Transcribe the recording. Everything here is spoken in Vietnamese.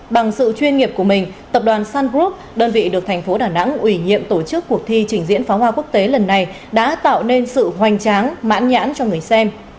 bằng sự chuyên nghiệp của mình tập đoàn sun group đơn vị được thành phố đà nẵng ủy nhiệm tổ chức cuộc thi trình diễn pháo hoa quốc tế lần này đã tạo nên sự hoành tráng mãn nhãn cho người xem